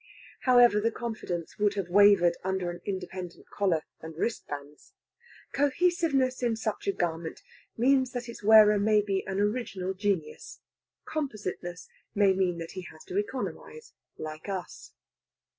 However, the confidence would have wavered under an independent collar and wristbands. Cohesiveness in such a garment means that its wearer may be an original genius: compositeness may mean that he has to economize, like us.